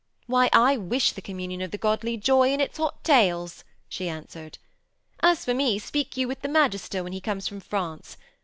'Why, I wish the communion of the godly joy in its hot tales,' she answered. 'As for me, speak you with the magister when he comes from France.